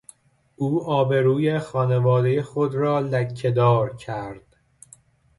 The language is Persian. او آبروی خانوادهی خود را لکهدار کرد.